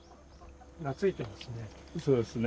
懐いてますね。